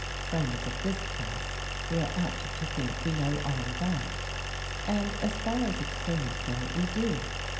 Friends of this class we are apt to think we know all about. And, as far as externals go, we do.